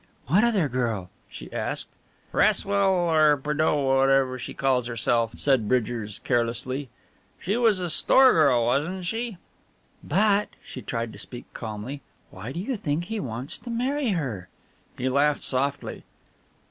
"What other girl?" she asked. "Cresswell or Prédeaux, whatever she calls herself," said Bridgers carelessly. "She was a store girl, wasn't she?" "But" she tried to speak calmly "why do you think he wants to marry her?" He laughed softly.